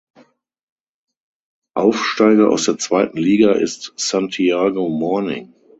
Aufsteiger aus der zweiten Liga ist Santiago Morning.